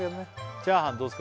チャーハンどうですか？